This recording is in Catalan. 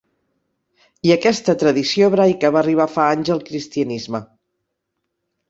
I aquesta tradició hebraica va arribar fa anys al cristianisme.